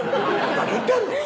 何言ってんの！